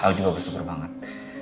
aku juga bersyukur banget